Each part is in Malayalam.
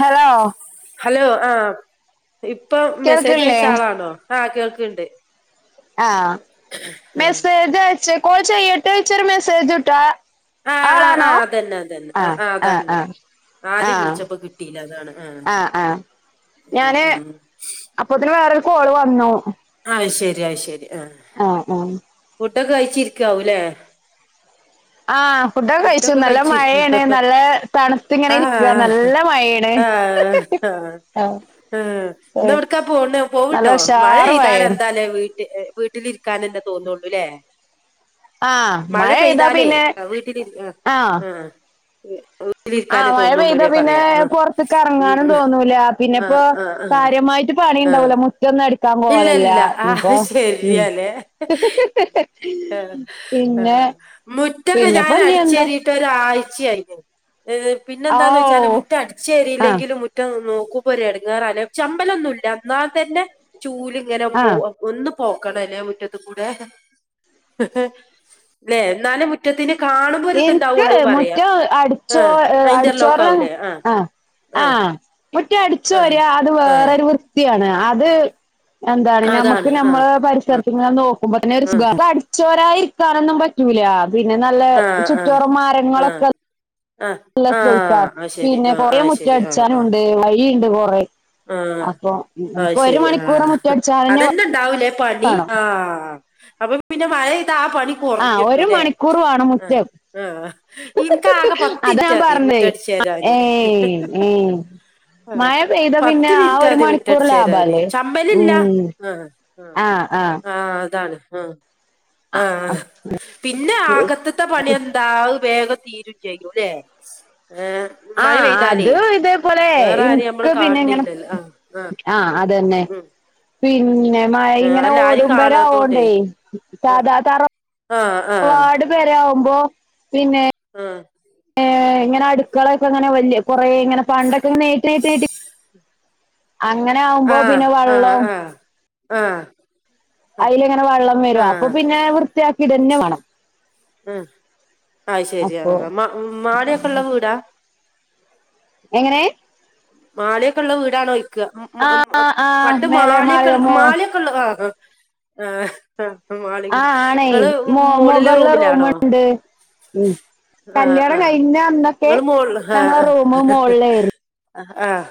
ഹലോ ഹലോ ആ ഇപ്പൊ മെസ്സേജ് കേൾക്കില്ലേ അയച്ച ആളാണോ ആ കേൾക്കിണ്ട് ആഹ മെസ്സേജ് വച്ച കോച്ചട്ട് വിച്ചർ മെസ്സേജ് ഇട്ടാ ആഹ ആ് ആഹ് അതന്നെ അതന്നെ ആ ആഹ് ആ് ആഹ് അതന്നെ ആഹ് ആദ്യം ആഹ് വിളിച്ചപ്പോ കിട്ടിയില്ല അതാണ് ആ ആഹ് ആഹ് ഞാന് അപ്പത്തിന് വേറരു കോള് വന്നു അത് ശരി ശരി ആഹ ഹ ഫുഡ് ഒക്കെ കഴിച്ചിരിക്കാവലേ ആഹ ഫുഡൊക്കെ കഴിച്ചു നല്ല മഴയാണ് നല്ല തണുത്ത ഇങ്ങനെ ഇരിക്കുക നല്ല മഴയാണ്. ആഹ ഹ ആ ആ ഇന്ന് ഇവിടക്കാ പോണ് നല്ല പോവണ്ടോ ഉഷാറ് മഴെയ്താന മഴയാണ് എന്താലേ വീട്ട വീട്ടിലിരിക്കൻന്നെ തോന്നുള്ളൂല്ലേ ആഹ് മഴ പെയ്താ പെയ്താലേ പിന്നെ വീട്ടിലിരി ആഹ ആ മഴ പെയ്താ പിന്നെ ആ പുറത്തേക്ക് ഇറങ്ങാനും ഉം തോന്നൂല പിന്നെ ആ ഇപ്പോ ആ ആ കാര്യം [unintelligible] പണി ആ ഉണ്ടാവൂല്ല മുറ്റ [unintelligible] സംഭം ഇല്ല പോലല്ല ഇല്ല ആ ഇപ്പോ ഉ ശരിയാലേ ആ ആ പിന്നെ മുറ്റൊക്കെ പിന്നെപ്പോ ഞാൻ ഇനി എന്താ അടിച്ചേറിട്ട് ഒരാഴ്ച [unintelligible] ഓ പിന്നെന്താന്ന് വെച്ചാല് മുറ്റം അടിച്ച ആഹ് കരിയില്ലെങ്കിലും മുറ്റം നോ [unintelligible] ഇടങ്ങറല്ല ചമ്പലന്നും ഇല്ല എന്നാൽ തന്നെ ചൂല ഇങ്ങനെ പോ ആഹ് ഒ പോക്കണംല്ലേ മുറ്റത്തി കൂടെല്ലേ എന്നാലും മുറ്റത്തിന് കാണുമ്പോ എനിക്ക് ഒരിതുണ്ടാവുള്ളൂ പറയാ മുറ്റം അടിച്ചോ ആഹ് ഇന്റർലോക്ക് അടിച്ചോറി ആവൂലേ ആഹ് ആ ആഹ് ആഹ മുറ്റി അടിച്ചു ആഹ് വരി അത് ആഹ് വേറരു വൃത്തിയാണ് അത് എന്താണ് നമ്മുക്ക് അതാണ് ആഹ് നമ്മള് പരിസരത്തി നോക്കുമ്പോ തന്നൊരു ആഹ് സുഖണ്‌ അടിച്ചൊരാ ണൊന്നും പറ്റൂല പിന്നെ നല്ല ആഹ് ചുറ്റോറ ആഹ് ആഹ് മരങ്ങളൊക്കെ ആഹ് നല്ല ശ്രസ ആഹ് അത് ശരി പിന്നെ ആഹ് കൊറേ ആഹ് മുറ്റം അടിച്ചാനുണ്ട് വഴുണ്ട് കൊറെ ആഹ ആ ശരി ആഹ മണിക്കൂറ് മുറ്റടിച്ചാനന്നെ അതെന്ത ഉണ്ടാവലേ പണി വേണം ആ അപ്പൊ പിന്നെ മഴ ആ പണി ആഹ് ഒരു കുറഞ്ഞിട്ടുല്ലേ മണിക്കൂർ വേണം ആ മുറ്റം ഇനക്ക് ആകെ അതാ ഞാൻ പത്തിറ്റധി പറഞ്ഞേ റ്റടിച്ച് തരാേ അയിന് ഏയ് ഏയ് ഹ ഹ ഹ മഴ പെയ്ത പിന്നെ പത്ത് ആ മിനിറ്റ് ഒരു ആദ്യം മണിക്കൂർ മുറ്റടിച്ച് തരന് ലാഭല്ലേ ശമ്പലില്ല ഉം ആ ആഹ് ആഹ് ആ അതാണ് ആ ആഹ പിന്നെ ആകത്തത്തെ പണി എന്താ വേഗ തീരും ചെയ്യൂല്ലെ ഏഹ് മഴ ആഹ് പെയ്താലേ അത് ഇതേപോലെ വേറെ ആര നമ്മള് എനിക്ക് പിന്നെ ഇങ്ങനെ കാണില്ലല്ല ആഹ് ആ ആഹ് അതന്നെ ഉ പിന്നെ മഴ ഇങ്ങനെ ഓട്പര ആവോണ്ടേ സാധാ തറ ആഹ ആഹ് പോ പിന്നെ ഏ ഇങ്ങനെ അടുക്കളൊക്കെ അങ്ങനെ വലിയ കൊറെ ഇങ്ങനെ പണ്ടൊക്കെ [unintelligible] അങ്ങനെ ആ ആവുമ്പോ പിന്നെ ആ വെള്ളം ആ ആ അതിലെങ്ങനെ വെള്ളം ആ വരു ആ അപ്പൊ പിന്നെ വൃത്തിയാക്കിട തന്നെ വേണം ആ ആ ശരിയാ അപ്പൊ മാടയൊക്കെ ഉള്ള വീടാ എങ്ങനെ മാളികയൊക്കെ ഉള്ള വീടാണോ ആ ചോദിക്കുവാ ആ പണ്ട് മേലെ മാളികയൊക്കെ മാളിക മോ മാളികയൊക്കെ ഉള്ള ആ ആ മാളിക ആ ആണേ നിങ്ങള് മോ മോളിലെ മുകളില് റൂമിലാണോ റൂമുണ്ട് ഉം ആഹ് കല്യാണം ആഹ് കഴിഞ്ഞ അന്നൊക്കെ നിങ്ങൾ മോളില് ആ ഞങ്ങളെ റൂമ് മോളിലായിരുന്നു ആഹ്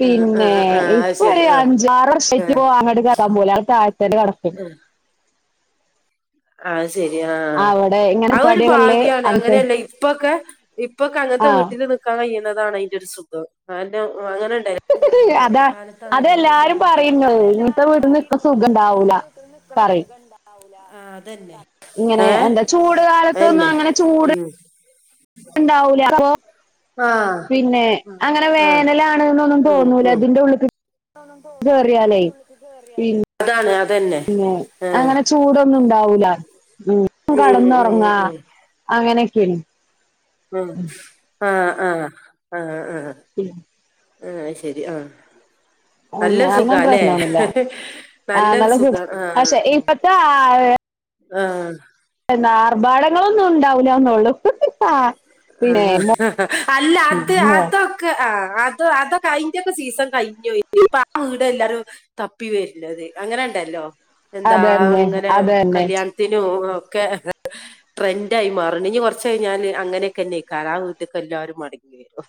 പിന്നെ ഇപ്പൊ ഒരു ആ അഞ്ചാറ് വർഷവായിട്ട് ആ അങ്ങോട്ട് കേറാൻ പോവൂല [unintelligible] [unintelligible] നടക്കും ആഹ് ശരി ആഹ് അവിടെ ഇങ്ങനെ അതൊരു പടികല്ല് ഭാഗ്യാണ് അങ്ങനത്തെ അങ്ങനെയല്ല ഇപ്പൊക്കെ ഇപ്പൊക്കെ ആ അങ്ങനത്തെ വീട്ടിൽ നിക്കാൻ കഴിയാ ന്നതാണ് അയിൻ്റൊരു സുഖം അയെന്നെ അങ്ങനെ [unintelligible] അതാ വേനൽക്കാലത്താണ് ഞമ്മളയ്ൻ്റെ അതെല്ലാരും പറയുന്നു ബുദ്ധിമുട്ടറിയാ ഇങ്ങനത്തെ അതെല്ലാരും വീട്ടിന്ന് പറിം ഇപ്പ ഇന്നോട് സുഖം ഇങ്ങക്ക് ഉണ്ടാവൂല പറയും [unintelligible] ആഹ് അതന്നെ ഇങ്ങനെ ഏ എന്താ ചൂട് കാലത്തൊന്നും അന്നെ അങ്ങനെ ചൂട് ഉം ഉണ്ടാവൂല ആഹ് പിന്നെ അങ്ങനെ ആഹ് വേനലാണ്ന്നൊന്നും ഉം തോന്നൂല ഉം ഇതിന്റെ ഉള്ളിക്ക് ന്നൊന്നും തോന്നൂല കേറിയാലേ ഇതിന്റുള്ള്ക്ക് കേറിയാലെ അതാണ് അതന്നെ പിന്നെ ആഹ് അങ്ങനെ ചൂടൊന്നും ഉണ്ടാവൂല ഉം ഉം ഉം കടന്നോർങ്ങാ ഉം അങ്ങനെക്കെയാണ് ഉം ആഹ് ആഹ് ആഹ് ആഹ് ഉം ആഹ് അഹ് ശെരി ആഹ് നല്ലൊ അതിനൊന്നും സുഖാല്ലെ പ്രശ്നമൊന്നുമില്ല നല്ലൊരു ആങ്ങള സുഖാ ആഹ് പക്ഷെ ഇപ്പത്തെ ആഹ് എന്താ ആർഭാടങ്ങളൊന്നും ഉണ്ടാവൂലാന്നോ ആഹ് ഹ ഹ അല്ല അത് അതൊക്കെ ആഹ് ആത് അതൊക്കെ അയ്ന്റൊക്കെ സീസൺ കഴിഞ്ഞോയി ആ വീട് എല്ലാരും തപ്പി വര്നത് അങ്ങനെ ണ്ടല്ലോ എന്താ അതന്നെ ഇങ്ങനെ അതന്നെ കല്യാൺത്തിനും ഒക്കെ ട്രെൻ്റായി മാറ്ണ് ഇഞ്ഞ് കൊർച്ച് ക ഞാല് അങ്ങനെക്കെന്നേക്കാരം ആ വീട്ട്ക്ക് എല്ലാരും മടങ്ങി വരും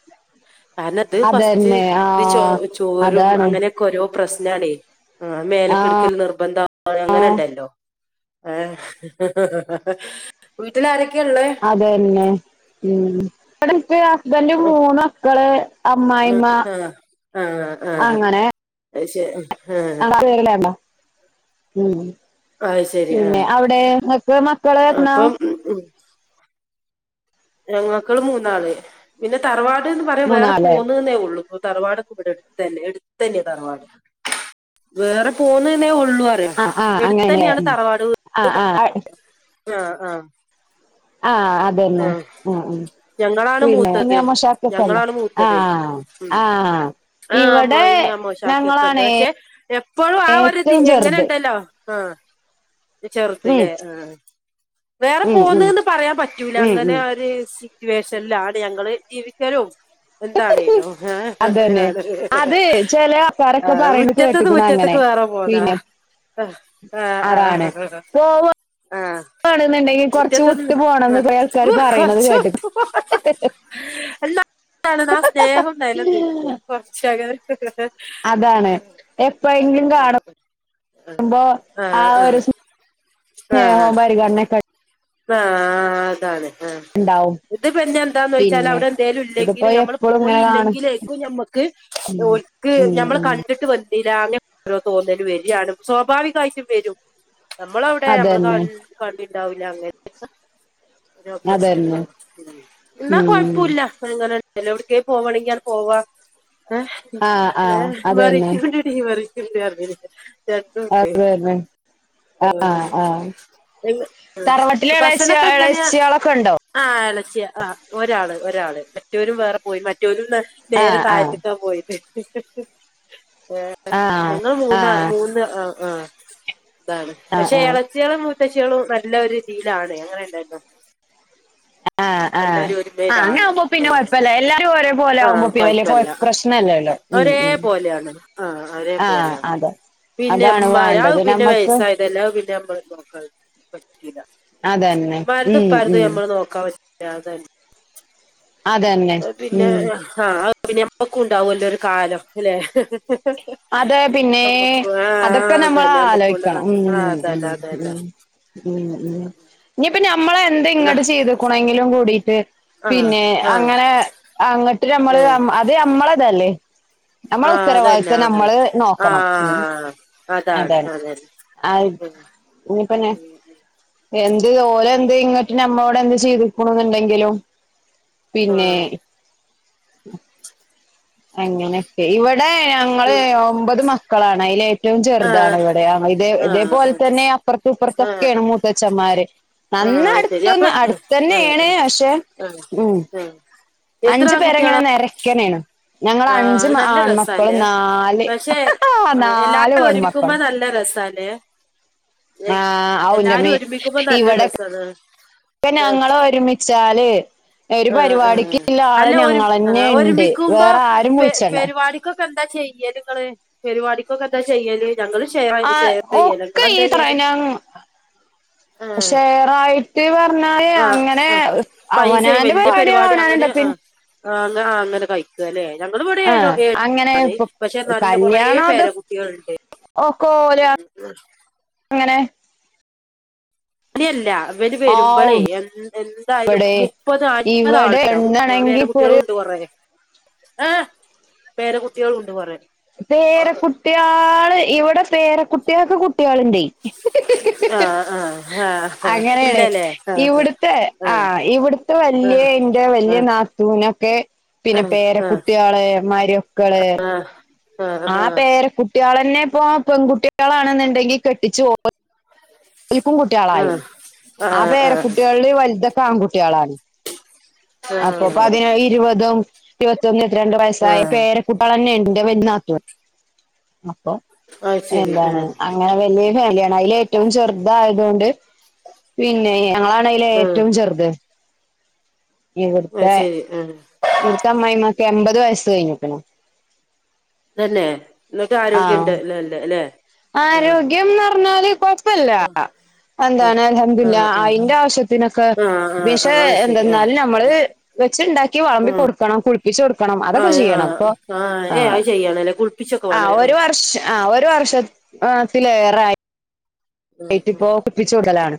കാരണം ത് ഫസ്റ്റ് അതന്നെ ആ ഇത് ചോ ചോരും അതാണ് അങ്ങനെക്കെ ഓരോ പ്രശ്നാണേ ആഹ് ആ മേല്ക്ക്ട്ക്കല് നിർബന്ധ ആ അങ്ങനെണ്ടല്ലോ ഏ വീട്ട്ലാരൊ അതെന്നെ ഉം ഇബടെൻക്ക് ഹസ്ബന്റും മൂന്ന് മക്കള് അമ്മായിമ്മ ആഹ് ആഹ് ആഹ് അങ്ങനെ അഹ് ശെ [unintelligible] ഉം അത് ശരി പിന്നെ ആഹ് ഔടെ ഇങ്ങക്ക് മക്കള് [unintelligible] അപ്പം ഞങ്ങക്കള് മൂന്നാള് പിന്നെ തറവാട്ന്ന് പറയാൻ വേറെ മൂന്നാളല്ലേ പോുന്നൂന്നേഉള്ളൂ- തറവാടൊക്കെ ഇവിടെട്ത്തന്നെ എടുത്തെന്നെ തറവാട് വേറെ പോന്ന്ന്നേ ഒ ള്ളുറയ ആഹ് ആഹ് അങ്ങനെ എടുത്തന്നെണ് തറവാട് ആഹ് ആഹ് ആഹ് ആഹ് - ആഹ് അതെന്നെ ഉംഉം- ഞങ്ങളാണ് പിന്നെ മൂത്തത് [unintelligible] ഞങ്ങളാണ് മൂത്തത് ആഹ് ഉം ആഹ് - ആഹ് അമ്മോയിമ്മേ അമ്മോശാക്കിയൊക്കെണ്ട് പക്ഷെ എപ്പോഴും ആ ഒരിത് ഏറ്റവും ചെറുത് എങ്ങനെണ്ടല്ലോ- ആഹ് ത് ഉം ചെറുതിലേ ആഹ് വേറെ ഉം ഉം പോന്ന്ന്ന് പറയാൻ പറ്റ് തില് ഉം അങ്ങനെ ഒരു സിറ്റുവേഷനിലാണ് ഞങ്ങള് ജീവിക്കലും- ഉം എന്താണേലോ അതന്നെ അത് ചെല ആൾക്കാരൊക്കെ ആഹ് പറയണ മുറ്റത്ത്ന്ന് കേട്ടിക്കണ് മുറ്റത്ത്ക്ക അങ്ങനെ വേറെ പോന്നാ പിന്നെ ആഹ് ആഹ് ആഹ് - ആണുന്നുണ്ടെങ്കിൽ കൊർച്ച് വിട്ട് പോണം- ന്ന പോയാൾക്കാര് ആഹ് പറയണത് കൊറച്ച് കേട്ട്ക്- [unintelligible] ആഹ് സ്നേഹം നെലനിക്കും കൊറച്ച അകലെ- അതാണ് [unintelligible] മ്പോ ആ ആഹ് ആഹ് ആഹ് ഒരു സി സ്നേഹോ ആഹ് പരിഗണനെ ആഹ് അതാണ് ആഹ് ഇണ്ടാവും - ഇത് പിന്നെ എന്താന്ന് വെച്ചാൽ പിന്നെ അവിടെ എന്തേലും ഇതിപ്പോ ഇല്ലെങ്കിൽഞമ്മള് എപ്പളും ഇങ്ങനെ പോയീല്ലെ കാണും ങ്കിലേക്ക് ഞമക്ക് ഉം - ക്ക് ഉം ഞമ്മളെ ഉം കണ്ടിട്ട് വ ഓരോ തോന്നല് വരാണ് സ്വാഭാവികായിട്ടും വെരും- നമ്മളവ്ടെ നമ്മള് ക അതന്നെ കണ്ടിണ്ടാവൂല്ല അങ്ങനക്ക- ഓരോ അതന്നെ പ്രശ്നങ്ങള് എന്നാ ഉം കൊഴപ്പുല്ല [unintelligible] ചെലൗട്ക്കേ പോവണെങ്കി അത് പോവാ ഏഹ് ആഹ് ആഹ് ഏഹ് അതന്നെ മറിക്കണ്ടടി മറി- ർ [unintelligible] രണ്ടുണ്ടേ അതന്നെ ആഹ് ആഹ് ഏഹ് തറവാട്ടില് - എളേച്ച്യ ഭക്ഷണൊക്കെ എങ്ങനെയാ? എളേച്ചിയാളൊക്കെ ഇണ്ടോ ആ എളച്ചിയ ആ ഒരാള്. ഒരാള് മറ്റവരും വേറെ പോയി മറ്റവരും ന നേരെ ആഹ് ആഹ് താഴ്ത്തക്ക പോയത്. ഏഹ് ഞങ്ങള് ആഹ് മൂന്ന ആഹ് മൂന്ന് ആ ആഹ് ഇതാണ് ആഹ് പക്ഷേ ആഹ് എളച്ചികളെ മു [unintelligible] നല്ല ഒരു രീതിയിലാണ് അങ്ങനെ ഇണ്ടല്ലോ. ആഹ് ആഹ് നല്ല ആഹ് ഒരു ഒരു [unintelligible] ആണ് അങ്ങനാവുമ്പോ പിന്നെ ആ കൊഴപ്പല്ല എല്ലാരും ഒരേപോലെ ആവുമ്പോ ആഹ് പിന്നെ വല്യ കൊഴ കൊഴപ്പല്ല ആഹ് പ്രശ്നല്ലല്ലോ ഉം ഒരേ ഉം പോലെയാണ്, ആഹ് ഒരേ ആഹ് പോലെയാ. അതെ പിന്നെ അതാണ് മരാവ് വേണ്ടത് പിന്നെ നമ്മക്ക് വയസ്സായതെല്ല പിന്നെ മ്മള് നോക്ക [unintelligible] അതന്നെ [unintelligible] മരുതും ഉം പരുതും ഉം നമ്മള് നോക്കാ പറ്റാതെ [unintelligible] അതന്നെ അത് പിന്നെ ഉം ആ ആഹ് പിന്നെ നമ്മക്ക് ഉണ്ടാവുല്ലോ ഒരു കാലം അല്ലെ. അതെ പിന്നെ ആ അതൊക്കെ നമ്മൾ അതന്നെ നമ്മക്കും ഉണ്ട്. ആലോയിക്കണം മ് മ് മ് മ് മ് ഇനി ഇപ്പ ഞ മ്മള് എന്ത ഇങ്ങട്ട് ചെയ്തക്കണെങ്കിലും കൂടിട്ട് ആ ആ, അതന്നെ അതന്നെ എന്നാ, ആ പിന്നെ ആ അങ്ങനെ [unintelligible] [unintelligible] ഏ, നമ്മള് അമ് അത് അമ്മളതല്ലേ. നമ്മള ആ ഉത്തരവാദ് അതന്നെ ത്വം അതെ നമ്മള് ആ നോക്കണം, മ് അതാണ് ആ ഉം, ഇനി പിന്നെ ഉം, എന് ഇത് ഓലെ എന്ത് ഇങ്ങട്ട് നമ്മളോട് എന്ത് ചെയ്തിക്ക്ണ് ന്ന്ണ്ടെങ്കിലും ഉം. ആ പിന്നെ അങ്ങനെയൊക്കെ ഇവടെ ഞങ്ങള് ഉം, ഒമ്പത് മക്കളാണ് അയിലെ റ്റവും ആ ചെറുതാണ് ഇവടെ, ആ ഇതെ ആ ഇതേപോലെ തന്നെ അപ്പുറത്ത് ആ, ഇപ്പുറത്തൊക്കെയാണ് ആ, മൂത്തച്ഛന്മാര്. ആ, നന്ന ശരി അടുത്തൊന്ന് അപ്പം ആ, അടുത്തന്നെയാണ് ആ, പക്ഷേ ആ, ആ. എത്ര അഞ്ച് ആൺകുട്ടികളാ പേരങ്ങനെ നെരയ്ക്കനാണ്. ഞങ്ങള് ആഹ് അഞ്ച് അത് മ നല്ല ആൺമക്കളും രസാല്ലേ നാല് പക്ഷെ നല് എല്ലാരും ഒരുമിക്കുമ്പോ പെൺമക്കളും. നല്ല ആഹ് [unintelligible] ഔ എല്ലാരും ഒരുമിക്കുമ്പോ നല്ല രസാണ്. ഇപ്പൊ ആഹ് ഞങ്ങള് ഒരുമിച്ചാല് ഒരു ആഹ് ആഹ് പരിപാടിക്ക്ള്ള ആള് അല്ല ഒരു ഞങ്ങൾന്നെ ഇണ്ട് ഒരുമിക്കുമ്പോ വേറെ ആരും പെ വിളിച്ചണ്ട പരിപാടിക്കൊക്കെ എന്താ ചെയ്യല് നിങ്ങള് പരിപാടിക്കൊക്കെ എന്താ ചെയ്യല് ഞങ്ങള് ഷെയർ ആഹ് ഷെയർ ചെയ്യല് ഒക്കെ ഇങ്ങളെന്താ [unintelligible] ചെയ്യല് ആഹ് ഷെറായ്ട്ട് പറഞ്ഞാല് ആഹ് അങ്ങനെ ആഹ് അവന പൈസ ഞാനെന്റെ വല്യ പരിപാടിയള് പരിപാടി അവിടാണു അങ്ങനെ [unintelligible] ആഹ് ആഹ് അങ്ങെ അങ്ങനെ കഴിക്കുവല്ലേ ഞങ്ങളിവിടെ ഏഴു ആഹ് അങ്ങനെ ഏഴാണ് ഇപ്പൊ പക്ഷെ നല്ല കൊറേ പേരെ കുട്ടികളുണ്ട് ഓക്കോ ഓരാ അങ്ങനെ രിയല്ല ഇവല് ആഹ് വരുമ്പോളേ എ എന്തായാലും ഇവിടെ മുപ്പത് അൻപത് ഇവിടെ ആളിണ്ടാവും പേര എന്നാണെങ്കി ഇപ്പൊ ഒരു കുട്ടികളുണ്ട് കൊറേ ആഹ് പേര കുട്ടികളുണ്ട് കൊറേ പേരക്കുട്ടികള് ഇവിടെ പേരക്കുട്ടികൾക്ക് കുട്ടികളിണ്ടേ ആഹ് ആഹ് ആഹ് ആഹ് അങ്ങനെയാണ് ഇല്ലല്ലേ ആഹ് ഇവിടുത്തെ ആഹ് ഇവിടുത്തെ വലിയ ആഹ് ന്റെ വലിയ നാത്തൂനൊക്കെ ആഹ് ആഹ് പിന്നെ ആഹ് ആഹ് ആഹ് പേരക്കുട്ടികള് മരുക്കള് ആഹ് പേരെ കുട്ടികളെന്നെ ഇപ്പൊ പെൺകുട്ടികളാണെന്നുണ്ടെങ്കി കെട്ടിച്ചു പോ വലപ്പും കുട്ടിളായി ആഹ് ആഹ് പേരക്കുട്ടികളില് വലുതൊക്കെ ആൺകുട്ടികളാണ് അപ്പൊപ്പോ അതിനാ ഇരുപതും ഇരുപത്തൊന്ന് ഇത്തിരണ്ട് വയസ്സായ ആഹ് പേരെക്കൂട്ടികളന്നെ ഉണ്ട് [inaudible] അപ്പൊ അത് ശരി എന്താണ് ആഹ് അങ്ങനെ വലിയ ഫാലിയാണ് അയില് ഏറ്റവും ചെറ തായതൊണ്ട് പിന്നെ ഞങ്ങളാണ് അയില് ആഹ് ഏറ്റവും ചെറുത് അത് ശരി ആഹ് ഇവിടത്തെ അമ്മയിമ്മക്ക് എമ്പത് വയസ്സ് കഴിഞ്ഞ് പിന്നെ അത് എന്നെ എന്നിട്ട് ആരോഗ്യണ്ട്ല്ലേല്ലേ അല്ലെ. ആരോഗ്യന്ന് പറഞ്ഞാല് കൊഴപില്ല. ആഹ് ആഹ് എന്താണ് അല്ഹംദില്ല ആഹ് ആഹ് അയിന്റെ ആവശ്യത്തിനൊക്കെ ആഹ് ആഹ് ദിക്ഷെ ആഹ് അത് ശരി ആഹ് എന്തെന്നാലും നമ്മള് വെക്ക ക്കി ആഹ് വെളമ്പികൊടുക്കണം. കുളിപ്പിച്ചെടുക്കണം. അതൊക്കെ ആഹ് ചെയ്യണം. പോ ആഹ് ആഹ് ഏഹ് അത് ചെയ്യാണല്ലേ കുളിപ്പിച്ചൊക്കെ ആ വേണല്ലേ ഒരു ആഹ് ഒരു വർഷം ആ ഒരു വർഷത്തിലേറെയായി ആഹ് ഏയറ്റിപ്പോ ആഹ് കുപ്പിച്ചു കൊടുക്കലാണ്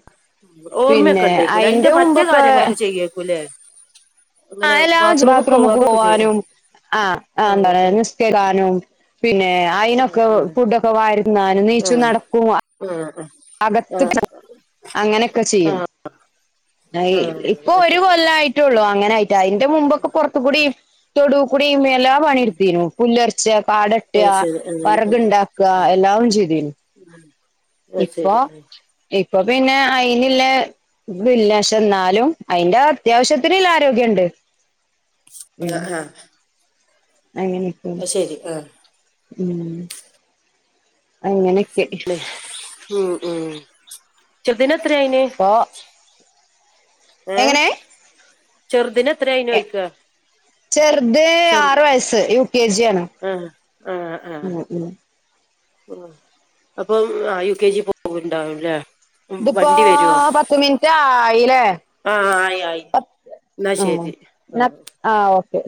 ഓർമ്മയൊക്കെ പിന്നെ ഇണ്ടേക്കൂലേ അയിന്റെ മറ്റേ മുമ്പൊക്കെ കാര്യങ്ങളൊക്കെ ചെയ്യേക്കൂല്ലേ. ആ അങ്ങനെ എല്ലാ ബാത്റൂമൊക്കെ പോവാ ബാത്റൂമുക്ക് അതൊക്കെ ചെയ്യ പോവാനും ആ ആ ആഹ് എന്താണ് ആഹ് നിസ്കരീക്കാനും പിന്നെ അയിനൊക്കെ ആഹ് ഫുഡൊക്കെ വാരീതിന്നനും മരുന്ന്കയ്ച്ചു ആഹ് നടക്കുവാ ആഹ് അകത്ത ആഹ് [inaudible] അങ്ങനൊക്കെ ആഹ് ചെയ്യും. ആഹ് ആയി ആഹ് ഇപ്പൊ അത് ഒരു ശരി കൊല്ലം ആഹ് ആയിട്ടള്ളൂ. ആഹ് അങ്ങനെയിട്ട് അതിന്റെ മുമ്പക്കെ പുറത്തു ഉം കൂടി. ഉം തൊടു കൂടിമ്മയെല്ലാം പണിയെടുത്തിന്നു പുല്ലർച്ചെ പാടട്ടുക അത് ശരി അങ്ങനെ ഉം വറകുണ്ടാക്കുക ആഹ് എല്ലാം അവൻ ചെയ്തന് അത് ഇപ്പൊ ശരി ആഹ് ഇപ്പൊ പിന്നെ അയിനി--ല്ല [unintelligible] ന്നാലും അയിന്റെ അത്യാവശ്യത്തിന്ള്ള ആരോഗ്യം. ണ്ട് ആഹ് ആഹ് അങ്ങനെക്കെ അത് ശരി ആഹ് ഉം അങ്ങനെക്കെ ഉം ഉം ചെറുദിന എത്ര ആയിന്. ഇപ്പൊ ഏ എങ്ങനെ ചെറുതിന് എത്രയിനു ചോയ്ക്ക ചെർത് ആറു വയസ്സ് യു കെ ജി ആണ് ആഹ് ഉം ഉം ഉ അപ്പൊ യു കെ ജി പോകണ്ടാവുംല്ലേ ഉം ഇതിപ്പോ വണ്ടി വരുവോ പത്ത് മിനിറ്റ് ആയില്ലേ ആഹ് ആയി ആയി പത്ത് എന്നാ ആ ശരി എന്നാ ആഹ്. ആ ഓക്കെ